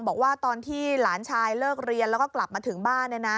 บอกว่าตอนที่หลานชายเลิกเรียนแล้วก็กลับมาถึงบ้าน